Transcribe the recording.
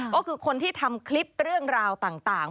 ก็คือคนที่ทำคลิปเรื่องราวต่าง